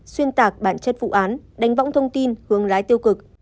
xuyên tạc bản chất vụ án đánh võng thông tin hướng lái tiêu cực